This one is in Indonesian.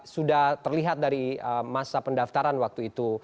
sudah terlihat dari masa pendaftaran waktu itu